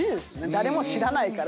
誰も知らないから。